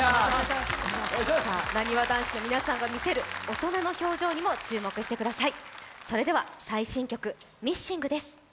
なにわ男子の皆さんが見せる大人の表情にも注目してください。